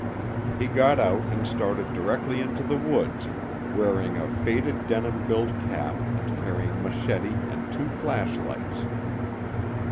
He got out and started directly into the woods, wearing a faded denim billed cap and carrying machete and two flashlights.